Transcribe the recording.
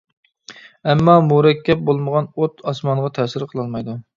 ئەمما مۇرەككەپ بولمىغان ئوت ئاسمانغا تەسىر قىلالمايدۇ.